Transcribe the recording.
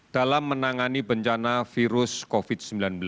dalam menangani bencana virus covid sembilan belas